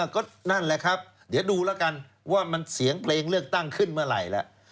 ก็นั่นแหละครับเดี๋ยวดูแล้วกันว่ามันเสียงเพลงเลือกตั้งขึ้นเมื่อไหร่แล้ว